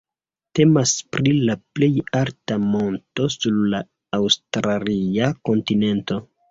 Temas pri la plej alta monto sur la aŭstralia kontinento.